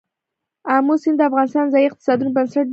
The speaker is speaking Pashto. آمو سیند د افغانستان د ځایي اقتصادونو بنسټ دی.